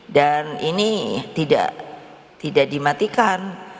dan ini tidak dimatikan